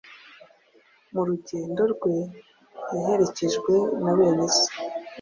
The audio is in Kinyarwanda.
Mu rugendo rwe yaherekejwe na bene se